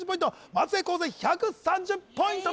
松江高専１３０ポイント